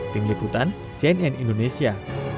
tim liputan cnn indonesia